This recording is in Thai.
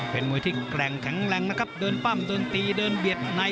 เป็นมวยที่แกร่งแข็งแรงนะครับเดินปั้มโดนตีเดินเบียดใน